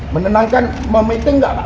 menenangkan memiting nggak pak